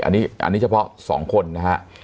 อันนี้เฉพาะสองคนนะครับ